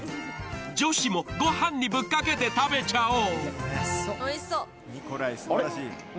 女子もご飯にぶっかけて食べちゃおう。